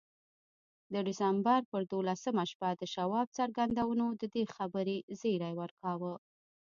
د ډسمبر پر دولسمه شپه د شواب څرګندونو د دې خبرې زيري ورکاوه.